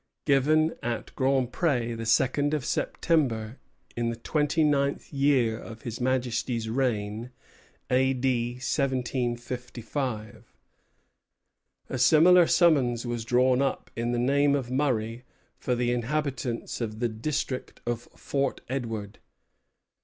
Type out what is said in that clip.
Given at Grand Pré, the second of September, in the twenty ninth year of His Majesty's reign, a.d. 1755. A similar summons was drawn up in the name of Murray for the inhabitants of the district of Fort Edward.